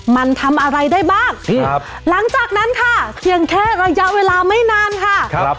มันทำอะไรได้บ้างหลังจากนั้นค่ะเพียงแค่ระยะเวลาไม่นานค่ะครับ